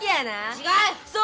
違う！